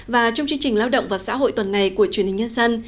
và trong chương trình lao động và xã hội tuần này của truyền hình nhân dân